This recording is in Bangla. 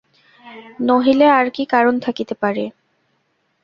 নহিলে আর কি কারণ থাকিতে পারে!